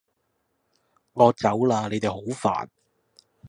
我走喇！你哋好煩